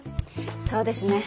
そうですね。